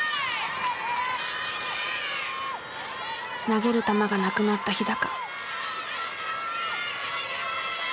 投げる球がなくなった日。